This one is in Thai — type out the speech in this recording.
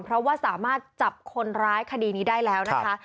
เพราะว่าสามารถจับคนร้ายคดีนี้ได้แล้วนะคะ